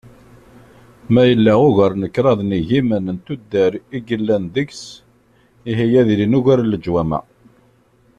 Ma yella ugar n kraḍ n yigiman n tuddar i yellan deg-s, ihi ad ilin ugar n leǧwamaɛ.